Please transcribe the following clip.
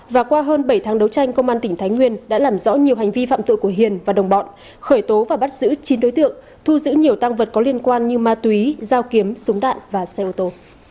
và qua hơn bảy tháng đấu tranh công an tỉnh thái nguyên đã làm rõ nhiều hành vi phạm tội của hiền và đồng bọn khởi tố và bắt giữ chín đối tượng thu giữ nhiều tăng vật có liên quan như ma túy dao kiếm súng đạn và xe ô tô